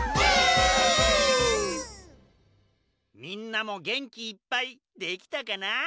みんなもげんきいっぱいできたかな？